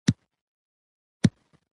سیاسي پرېکړې باید ملي اجماع ولري